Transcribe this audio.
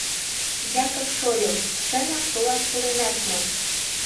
— Якып шольо, чынак толаш пуренат мо?